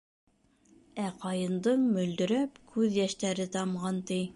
Ә Ҡайындың мөлдөрәп күҙ йәштәре тамған, ти.